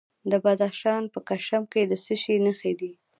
د بدخشان په کشم کې د څه شي نښې دي؟